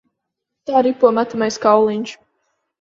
Tā ripo metamais kauliņš.